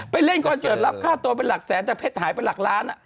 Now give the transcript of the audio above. เล่นคอนเสิร์ตรับค่าตัวเป็นหลักแสนแต่เพชรหายไปหลักล้าน